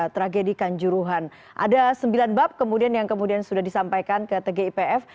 jadi ada sembilan bab yang sudah disampaikan ke tgipf